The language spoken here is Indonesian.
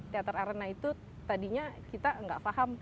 teater arena itu tadinya kita nggak paham